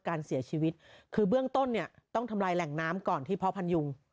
การเสียชีวิตคือเบื้องต้นเนี่ยต้องทำลายแหล่งน้ำก่อนที่พ่อพันยุง